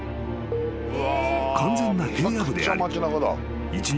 ［完全な平野部であり一日